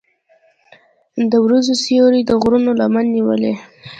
د وریځو سیوری د غرونو لمن نیولې.